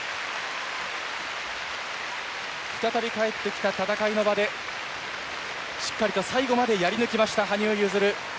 再び帰ってきた戦いの場でしっかりと最後までやり抜きました羽生結弦。